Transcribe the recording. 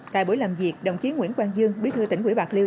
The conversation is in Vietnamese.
tại buổi làm việc đồng chí nguyễn quang dương bí thư tỉnh quỹ bạc liêu